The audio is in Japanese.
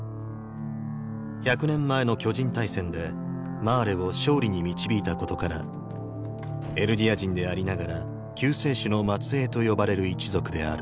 １００年前の巨人大戦でマーレを勝利に導いたことからエルディア人でありながら「救世主の末裔」と呼ばれる一族である。